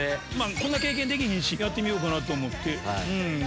こんな経験できひんしやってみようかなと思って。